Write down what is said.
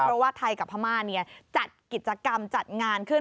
เพราะว่าไทยกับพม่าจัดกิจกรรมจัดงานขึ้น